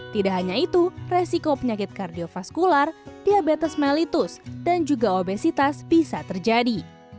tidak hanya itu resiko penyakit kardiofaskular diabetes mellitus dan juga obesitas bisa terjadi